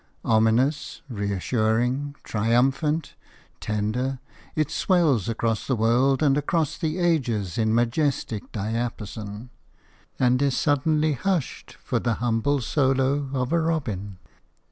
Ominous, reassuring, triumphant, tender, it swells across the world and across the ages in majestic diapason, and is suddenly hushed for the humble solo of a robin.